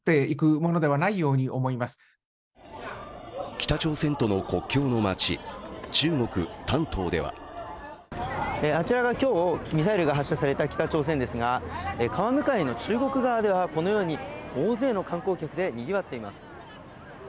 北朝鮮との国境の街、中国・丹東ではあちらが今日、ミサイルが発射された北朝鮮ですが川向かいの中国側ではこのように大勢の観光客でにぎわっています。